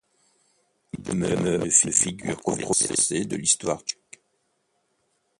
Il demeure une figure controversée de l'histoire tchèque.